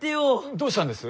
どうしたんです？